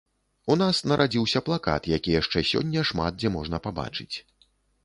У нас нарадзіўся плакат, які яшчэ сёння шмат дзе можна пабачыць.